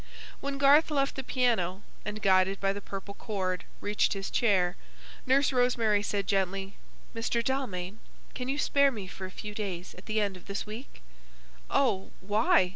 When Garth left the piano, and, guided by the purple cord, reached his chair, Nurse Rosemary said gently "Mr. Dalmain, can you spare me for a few days at the end of this week?" "Oh, why?"